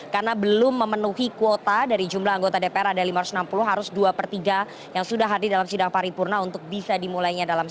karena belum memenuhi kuota dari jumlah anggota dpr ada lima ratus enam puluh harus dua per tiga yang sudah hadir dalam sidang paripurna untuk bisa dimulainya